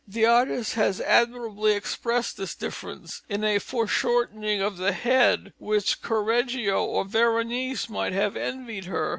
The artist has admirably expressed this difference in a foreshortening of the head which Correggio or Veronese might have envied her.